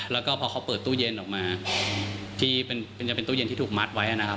แล้วก็พอเขาเปิดตู้เย็นออกมาที่จะเป็นตู้เย็นที่ถูกมัดไว้นะครับ